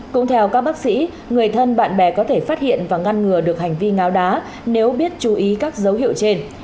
cũng theo các bác sĩ người thân bạn bè có thể phát hiện và ngăn ngừa được hành vi ngáo đá nếu biết chú ý các dấu hiệu trên